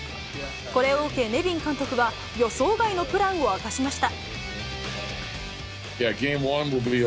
これを受け、ネビン監督は、予想外のプランを明かしました。